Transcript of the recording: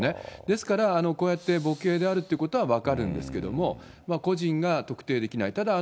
ですから、こうやって母系であるということは分かるんですけれども、個人が特定できない、ただ、